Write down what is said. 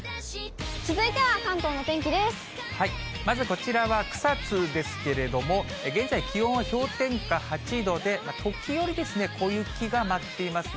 まずこちらは草津ですけれども、現在、気温は氷点下８度で、時折、小雪が舞っていますね。